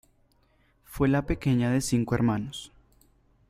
Fue la pequeña de cinco hermanos.